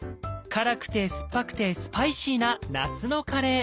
辛くて酸っぱくてスパイシーな夏のカレー。